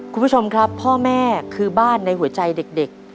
คุณผู้ชมครับพ่อแม่คือบ้านในหัวใจเด็ก